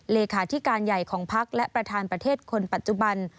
เลขาธิการใหญ่ของพักและประธานประเทศคนปัจจุบัน